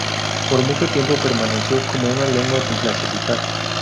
Por mucho tiempo permaneció como una lengua sin clasificar.